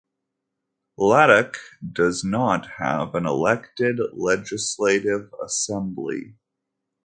Ladakh does not have an elected legislative assembly.